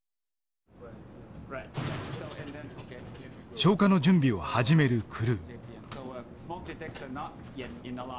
消火の準備を始めるクルー。